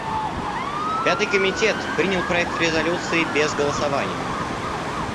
Пятый комитет принял проект резолюции без голосования.